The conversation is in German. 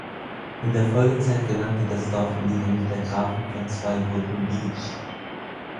In der Folgezeit gelangte das Dorf in die Hände der Grafen von Zweibrücken-Bitsch.